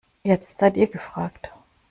Jetzt seid ihr gefragt.